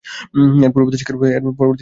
এর পরবর্তী শিকার হবে ব্রুস ওয়েন।